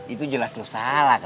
itu jelas lu salah kalo kayak be